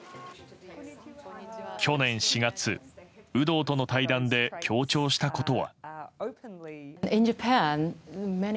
去年４月有働との対談で強調したことは。